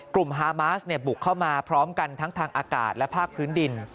ฮามาสบุกเข้ามาพร้อมกันทั้งทางอากาศและภาคพื้นดิน